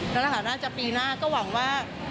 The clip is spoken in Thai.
แล้วล่ะค่ะน่าจะปีหน้าก็หวังว่า